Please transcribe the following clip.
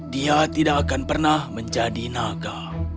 dia tidak akan pernah menjadi naga